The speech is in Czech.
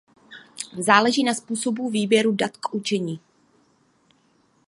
Záleží na způsobu výběru dat k učení.